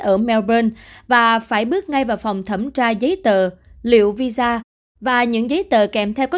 ở melbourne và phải bước ngay vào phòng thẩm tra giấy tờ liệu visa và những giấy tờ kèm theo có